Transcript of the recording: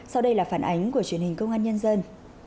sau đây là phản ánh của truyền hình công an nhân dân